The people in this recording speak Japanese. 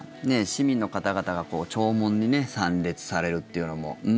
市民の方々が弔問に参列されるっていうのも。